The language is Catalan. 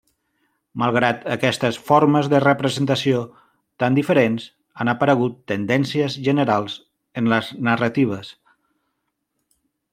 Malgrat aquestes formes de representació tan diferents, han aparegut tendències generals en les narratives.